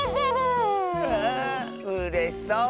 うれしそう！